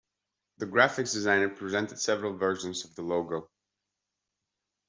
The graphics designer presented several versions of the logo.